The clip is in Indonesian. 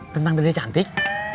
tentang dia cantik